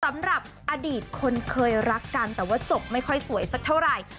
สำหรับอดีตคนเคยรักกันแต่ว่าจบไม่ค่อยสวยสักเท่าไหร่